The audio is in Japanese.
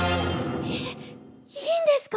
えっいいんですか？